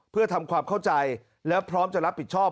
เพื่อทำความเข้าใจและพร้อมจะรับผิดชอบ